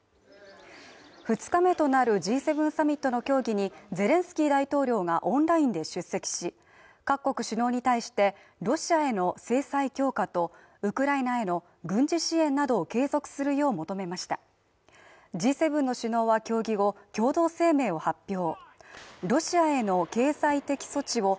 ２日目となるＧ７サミットの協議にゼレンスキー大統領がオンラインで出席し各国首脳に対してロシアへの制裁強化とウクライナへの軍事支援などを継続するよう求めましたＧ７の首脳は協議後共同声明を発表